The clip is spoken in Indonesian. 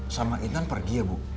sama intan pergi ya bu